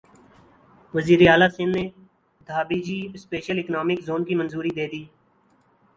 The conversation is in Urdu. وزیراعلی سندھ نے دھابیجی اسپیشل اکنامک زون کی منظوری دیدی